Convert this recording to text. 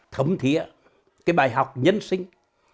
thấm thiết cái bài học nhân sinh